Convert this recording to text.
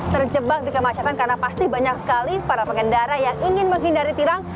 terjebak di kemacetan karena pasti banyak sekali para pengendara yang ingin menghindari tilang